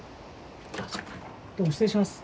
どうも失礼します。